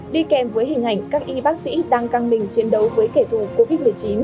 đi kèm với hình ảnh các y bác sĩ đang căng mình chiến đấu với kẻ thù covid một mươi chín